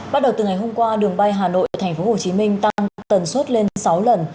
bắt đầu từ ngày hôm qua đường bay hà nội thành phố hồ chí minh tăng tần suất lên sáu lần